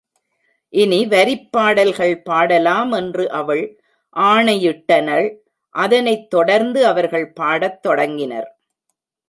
இனி வரிப் பாடல்கள் பாடலாம் என்று அவள் ஆணையிட்டனள் அதனைத் தொடர்ந்து அவர்கள் பாடத் தொடங்கினர்.